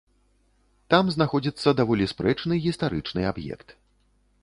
Там знаходзіцца даволі спрэчны гістарычны аб'ект.